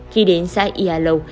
khi đến xã yà lâu